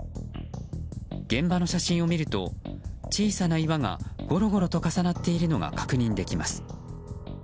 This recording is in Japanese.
現場の写真を見ると小さな岩がゴロゴロと重なっているのが確認できます。